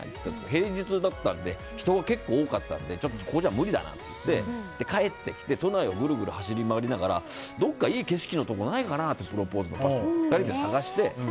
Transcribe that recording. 平日だったので人が結構多かったのでちょっとここじゃ無理だなって言って帰ってきて都内をぐるぐる走り回りながらどこかいい景色のところないかなってプロポーズの場所を２人で探して。